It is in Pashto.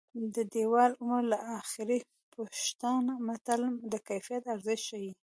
د دېوال عمر له اخېړه پوښته متل د کیفیت ارزښت ښيي